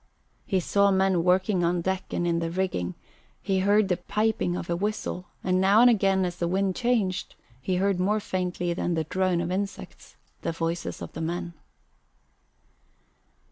He saw men working on deck and in the rigging; he heard the piping of a whistle, and now and again, as the wind changed, he heard more faintly than the drone of insects the voices of the men.